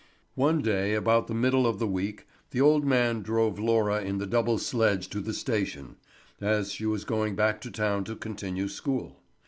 One day, about the middle of the week, the old man drove Laura in the double sledge to the station, as she was going back to town to continue school.